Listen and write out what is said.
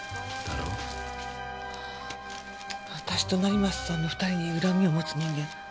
私と成増さんの２人に恨みを持つ人間。